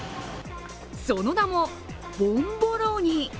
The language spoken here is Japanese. その名も、ボンボローニ。